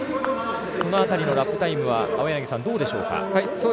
この辺りのラップタイムはどうでしょうか？